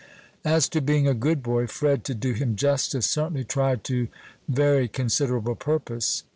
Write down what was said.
As to being a good boy, Fred, to do him justice, certainly tried to very considerable purpose.